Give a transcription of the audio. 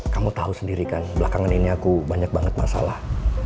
kamu tahu sendiri kan belakangan ini aku banyak banget masalah